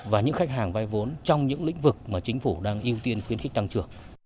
và những khách hàng vay vốn trong những lĩnh vực mà chính phủ đang ưu tiên khuyến khích tăng trưởng